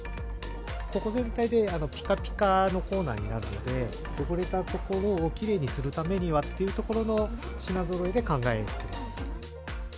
ここ全体でぴかぴかのコーナーになるので、汚れた所をきれいにするにはというところの品ぞろえで考えてます。